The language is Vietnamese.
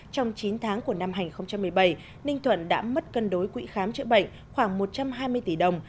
trong chín tháng của năm hai nghìn một mươi bảy ninh thuận đã mất cân đối quỹ khám chữa bệnh khoảng một trăm hai mươi tỷ đồng